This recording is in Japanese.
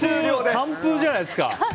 完封じゃないですか。